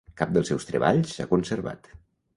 Cap dels seus treballs s'ha conservat.